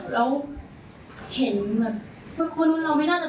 แล้วถ้าดูคุยกับเขาในโทรศัพท์